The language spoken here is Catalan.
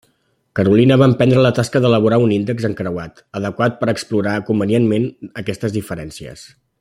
Carolina va emprendre la tasca d'elaborar un índex encreuat adequat per explorar convenientment aquestes diferències.